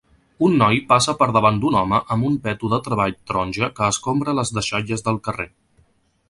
Un noi passa per davant d'un home amb un peto de treball taronja que escombra les deixalles del carrer.